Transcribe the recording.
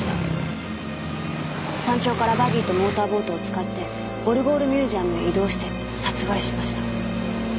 「山頂からバギーとモーターボートを使ってオルゴールミュージアムへ移動して殺害しました」